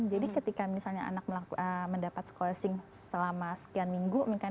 jadi ketika misalnya anak mendapat scoursing selama dua minggu